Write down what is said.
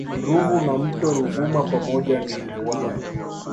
Ruvu na mto Ruvuma pamoja na Ruwana